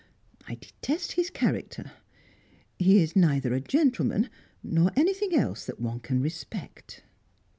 "I detest his character. He is neither a gentleman, nor anything else that one can respect."